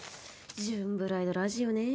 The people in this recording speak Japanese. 『ジューンブライドラジオ』ねえ。